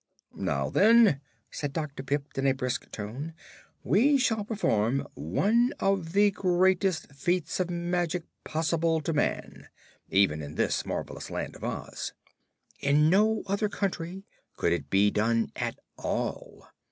"Now, then," said Dr. Pipt, in a brisk tone, "we shall perform one of the greatest feats of magic possible to man, even in this marvelous Land of Oz. In no other country could it be done at all.